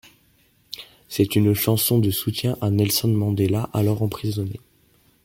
C'est une chanson de soutien à Nelson Mandela alors emprisonné.